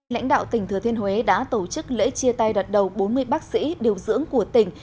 lãnh đạo tỉnh thừa thiên huế đã tổ chức lễ chia tay đặt đầu bốn mươi bác sĩ điều dưỡng của tỉnh